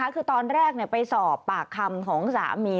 คือตอนแรกไปสอบปากคำของสามี